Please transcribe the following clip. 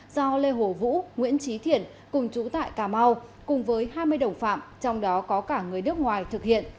do lê hổ vũ nguyễn trí thiện cùng chú tại cà mau cùng với hai mươi đồng phạm trong đó có cả người nước ngoài thực hiện